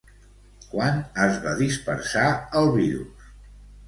Quan es va dispersar el virus?